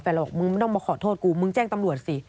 เราบอกมึงไม่ต้องมาขอโทษกูมึงแจ้งตำรวจสิ